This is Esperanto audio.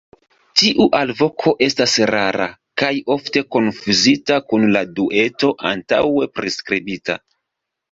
Tiu alvoko estas rara, kaj ofte konfuzita kun la 'dueto' antaŭe priskribita.